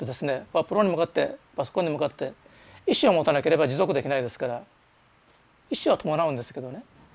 ワープロに向かってパソコンに向かって意志を持たなければ持続できないですから意志は伴うんですけどね。